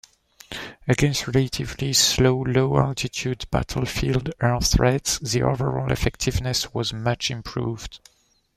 Against relatively slow, low-altitude battlefield air threats the overall effectiveness was much improved.